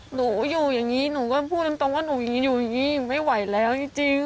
หนูอยู่อย่างนี้หนูก็พูดตรงว่าหนูอย่างนี้อยู่อย่างนี้หนูไม่ไหวแล้วจริง